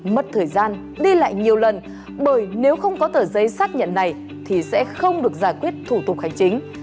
mất thời gian đi lại nhiều lần bởi nếu không có tờ giấy xác nhận này thì sẽ không được giải quyết thủ tục hành chính